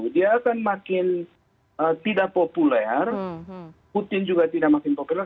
dia akan makin tidak populer putin juga tidak makin populer